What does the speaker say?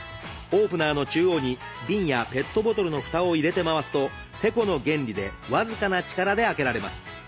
オープナーの中央に瓶やペットボトルのふたを入れて回すとてこの原理で僅かな力で開けられます。